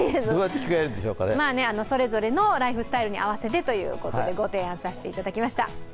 それぞれのライフスタイルに合わせてということで、ご提案させていただきました。